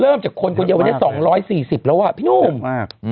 เริ่มจากคนคนเดียววันที่๒๔๐แล้วพี่นุ่ม